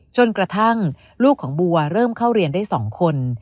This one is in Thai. จนกระทั่งลูกของบัวเริ่มเข้าเรียนได้๒คน